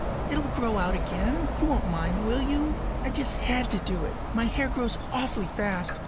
It’ll grow out again—you won’t mind, will you? I just had to do it. My hair grows awfully fast.